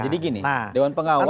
jadi gini dewan pengawas bisa